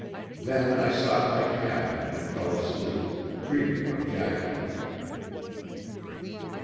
Then I sought my cabin and fell asleep, dreaming of Jacqueline.